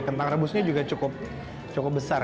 kentang rebusnya juga cukup besar